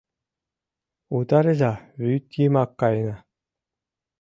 — Утарыза, вӱд йымак каена!..